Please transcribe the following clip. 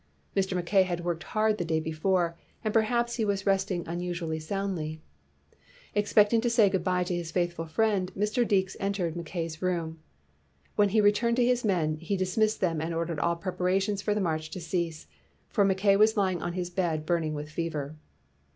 Mr. Mackay had worked hard the day before and per haps he was resting unusually soundly. Expecting to say good by to his faithful friend, Mr. Deekes entered Mackay 's room. When he returned to his men, he dismissed them and ordered all preparations for the march to cease, for Mackay was lying on his bed burning with fever.